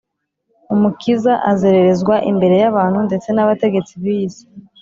umukiza azererezwa imbere y’abantu ndetse n’abategetsi b’iyi si